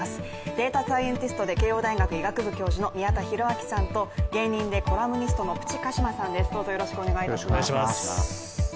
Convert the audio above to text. データサイエンティストで慶応大学医学部教授の宮田裕章さんと芸人でコラムニストのプチ鹿島さんです。